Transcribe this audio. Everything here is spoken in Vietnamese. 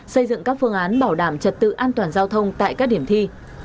xây dựng các phương án bảo đảm trật tự an toàn giao thông tại các điểm thi